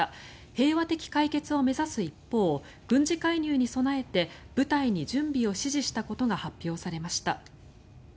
平和的解決を目指す一方軍事介入に備えて部隊に準備を指示したことが発表されました。